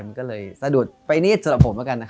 มันก็เลยสะดุดไปนิดสำหรับผมอากันนะครับ